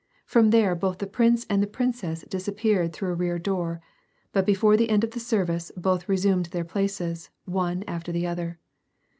From there both the prince and the princess disappeared through a rear door, but before the end of the service both resumed their places, one after the other.